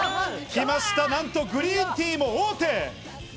きました、なんとグリーンティーも大手。